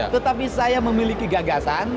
tetapi saya memiliki gagasan